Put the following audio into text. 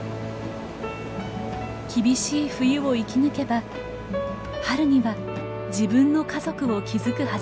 厳しい冬を生き抜けば春には自分の家族を築くはずです。